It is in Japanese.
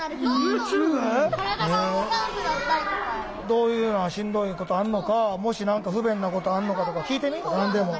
どういうのがしんどいことあんのかもし何か不便なことあんのかとか聞いてみ何でも。